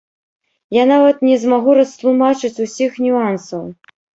Я нават не змагу растлумачыць усіх нюансаў.